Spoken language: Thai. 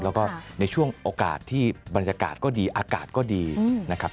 แล้วก็ในช่วงโอกาสที่บรรยากาศก็ดีอากาศก็ดีนะครับ